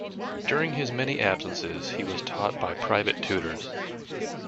During his many absences he was taught by private tutors.